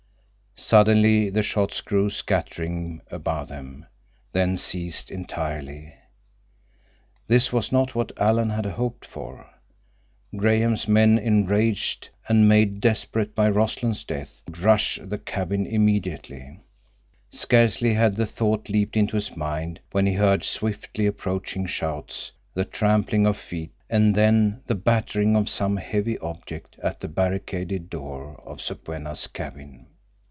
Suddenly the shots grew scattering above them, then ceased entirely. This was not what Alan had hoped for. Graham's men, enraged and made desperate by Rossland's death, would rush the cabin immediately. Scarcely had the thought leaped into his mind when he heard swiftly approaching shouts, the trampling of feet, and then the battering of some heavy object at the barricaded door of Sokwenna's cabin.